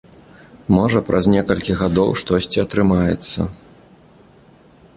Можа, праз некалькі гадоў штосьці атрымаецца.